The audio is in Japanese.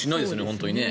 本当にね。